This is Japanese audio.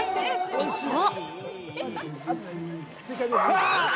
一方。